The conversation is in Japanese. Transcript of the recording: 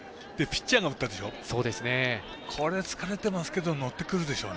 ピッチャーが打ったでしょ。